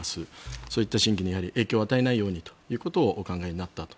そういった審議にやはり影響を与えないようにということをお考えになったと。